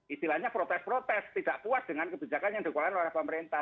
istilahnya protes protes tidak puas dengan kebijakan yang dikeluarkan oleh pemerintah